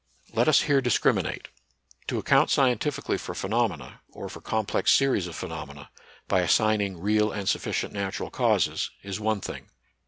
Let us here discriminate. To account scien tifically for phenomena, or for complex series of phenomena, by assigning real and sufficient natural causes, is one thing.